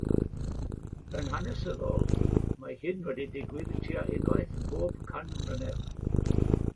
Yn hanesyddol, mae hyn wedi digwydd tua unwaith bob can mlynedd.